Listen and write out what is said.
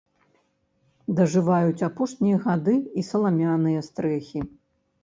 Дажываюць апошнія гады і саламяныя стрэхі.